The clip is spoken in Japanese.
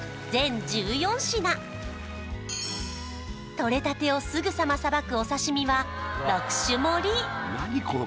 とれたてをすぐさまさばくお刺身は６種盛り